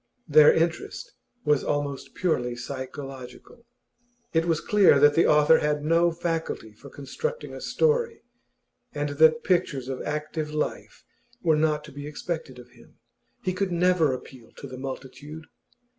Their interest was almost purely psychological. It was clear that the author had no faculty for constructing a story, and that pictures of active life were not to be expected of him; he could never appeal to the multitude.